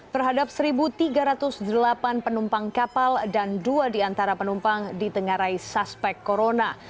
terhadap satu tiga ratus delapan penumpang kapal dan dua di antara penumpang ditengarai suspek corona